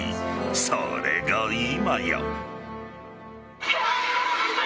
それが今や。